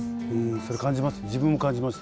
それ感じます。